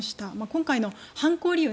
今回の犯行理由